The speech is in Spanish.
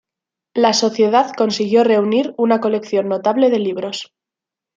La sociedad consiguió reunir una colección notable de libros.